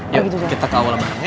ya kita ke awal bareng ya